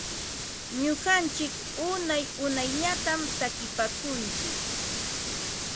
Nuqantsik unay unayllatam takinpaakuntsik.